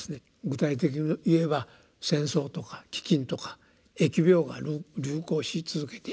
具体的に言えば戦争とか飢饉とか疫病が流行し続けている。